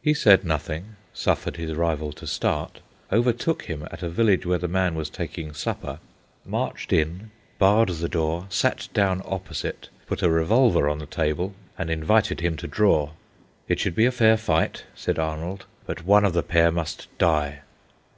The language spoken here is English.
He said nothing, suffered his rival to start, overtook him at a village where the man was taking supper, marched in, barred the door, sat down opposite, put a revolver on the table, and invited him to draw. It should be a fair fight, said Arnold, but one of the pair must die.